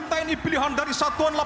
terima kasih banyak rakyat adonan